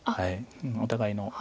お互いの。